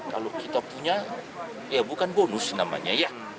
kalau kita punya ya bukan bonus namanya ya